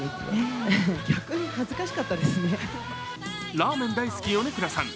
ラーメン大好き米倉さん。